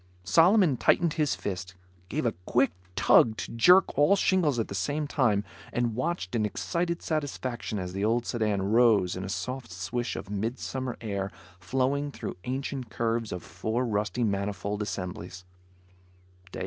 Solomon tightened his fist, gave a quick tug to jerk all shingles at the same time, and watched in excited satisfaction as the old sedan rose in a soft swish of midsummer air flowing through ancient curves of four rusty manifold assemblies.